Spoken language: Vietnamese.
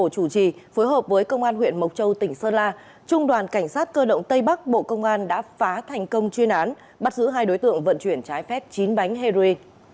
cơ quan an ninh điều tra bộ công an đã phá thành công chuyên án bắt giữ hai đối tượng vận chuyển trái phép chín bánh henry